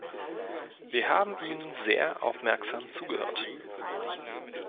Wir haben Ihnen sehr aufmerksam zugehört.